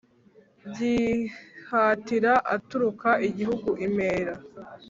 gihatira aturuka igihugu impera,